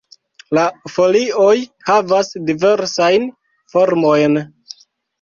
La folioj havas diversajn formojn.